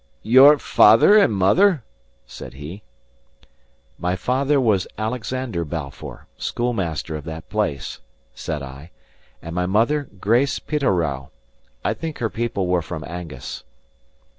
"Your father and mother?" said he. "My father was Alexander Balfour, schoolmaster of that place," said I, "and my mother Grace Pitarrow; I think her people were from Angus."